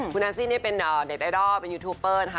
คุณแอนซี่นี่เป็นเน็ตไอดอลเป็นยูทูปเปอร์นะคะ